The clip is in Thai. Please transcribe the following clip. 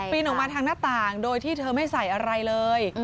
ออกมาทางหน้าต่างโดยที่เธอไม่ใส่อะไรเลย